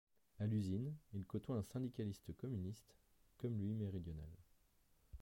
À l'usine, il côtoie un syndicaliste communiste, comme lui méridional.